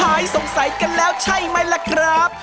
หายสงสัยกันแล้วใช่ไหมล่ะครับ